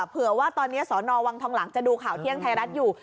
เผื่อว่าตอนนี้สอนอวังทองหลังจะดูข่าวเที่ยงไทยรัฐอยู่